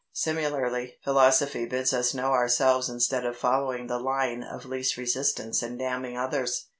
Similarly philosophy bids us know ourselves instead of following the line of least resistance and damning others.